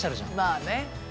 まあね。